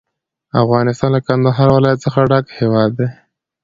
افغانستان له کندهار ولایت څخه ډک هیواد دی.